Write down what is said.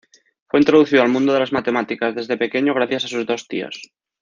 Fue introducido al mundo de las matemáticas desde pequeño gracias a sus dos tíos.